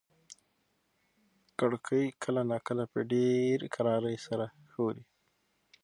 کړکۍ کله ناکله په ډېرې کرارۍ سره ښوري.